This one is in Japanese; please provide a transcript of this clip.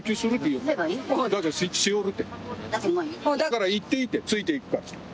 だから行っていいってついていくから。